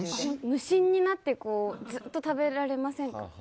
無心になってずっと食べられませんか？